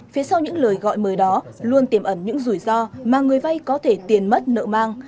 phía sau những lời gọi mời đó luôn tiềm ẩn những rủi ro mà người vay có thể tiền mất nợ mang